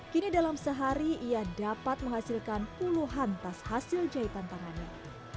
kini dalam sehari ia dapat menghasilkan puluhan tas hasil jahitan tangannya